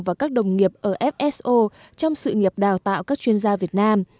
và các đồng nghiệp ở fso trong sự nghiệp đào tạo các chuyên gia việt nam